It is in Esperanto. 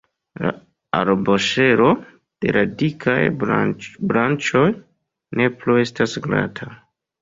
La arboŝelo de la dikaj branĉoj ne plu estas glata.